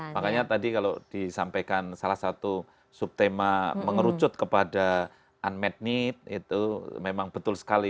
makanya tadi kalau disampaikan salah satu subtema mengerucut kepada unmet need itu memang betul sekali